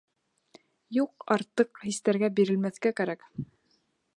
Юҡ, артыҡ хистәргә бирелмәҫкә кәрәк!